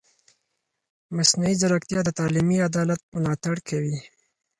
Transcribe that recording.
مصنوعي ځیرکتیا د تعلیمي عدالت ملاتړ کوي.